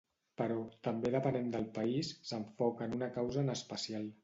Però, també depenent del país, s'enfoca en una causa en especial.